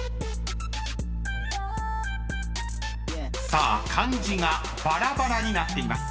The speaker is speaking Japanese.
［さあ漢字がバラバラになっています］